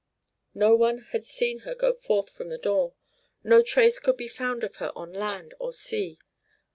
No one had seen her go forth from the door, no trace could be found of her on land or sea.